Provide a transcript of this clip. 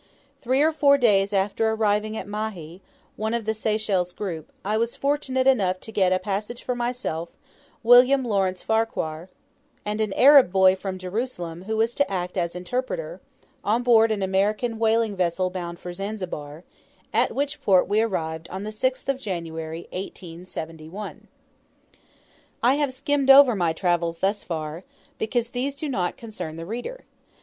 Three or four days after arriving at Mahe, one of the Seychelles group, I was fortunate enough to get a passage for myself, William Lawrence Farquhar, and an Arab boy from Jerusalem, who was to act as interpreter on board an American whaling vessel, bound for Zanzibar; at which port we arrived on the 6th of January, 1871. I have skimmed over my travels thus far, because these do not concern the reader.